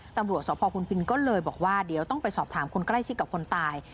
ตำรวจสพพุนพินก็เลยบอกว่าเดี๋ยวต้องไปสอบถามคนใกล้ชิดกับคนตาย